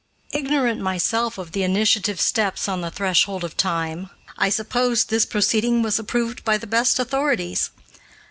Ignorant myself of the initiative steps on the threshold of time, I supposed this proceeding was approved by the best authorities.